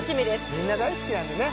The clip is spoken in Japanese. みんな大好きなんだね